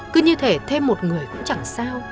cứ như thế thêm một người cũng chẳng sao